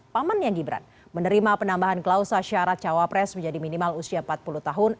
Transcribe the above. pamannya gibran menerima penambahan klausa syarat cawapres menjadi minimal usia empat puluh tahun